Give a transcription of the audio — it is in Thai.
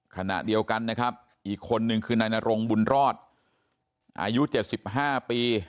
ขณะเดียวกันนะครับอีกคนนึงคือนายนรงบุญรอดอายุ๗๕ปี